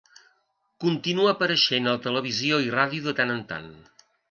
Continua apareixent a televisió i ràdio de tant en tant.